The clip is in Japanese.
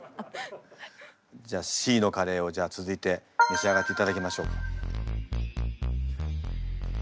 じゃあＣのカレーを続いて召し上がっていただきましょうか。